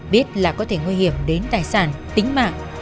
biết là có thể nguy hiểm đến tài sản tính mạng